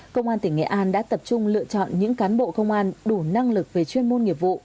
công an tỉnh nghệ an đã tập trung lựa chọn những cán bộ công an đủ năng lực về chuyên môn nghiệp vụ